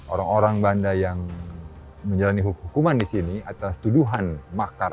orang orang banda yang menjalani hukuman di sini atas tuduhan makar